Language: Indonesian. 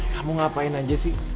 kamu ngapain aja sih